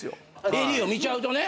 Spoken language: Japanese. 襟を見ちゃうとね。